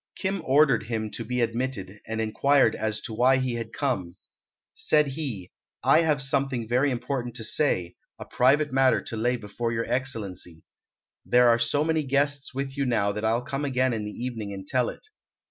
Kim ordered him to be admitted, and inquired as to why he had come. Said he, "I have something very important to say, a private matter to lay before your Excellency. There are so many guests with you now that I'll come again in the evening and tell it."